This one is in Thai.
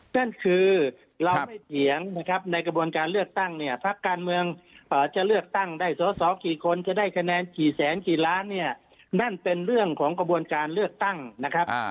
นั่นคือเราไม่เถียงนะครับในกระบวนการเลือกตั้งเนี่ยพักการเมืองจะเลือกตั้งได้สอสอกี่คนจะได้คะแนนกี่แสนกี่ล้านเนี่ยนั่นเป็นเรื่องของกระบวนการเลือกตั้งนะครับ